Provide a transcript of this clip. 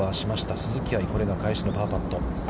鈴木愛、これが返しのパーパット。